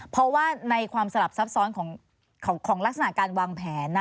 เพราะว่าในความสลับซับซ้อนของลักษณะการวางแผน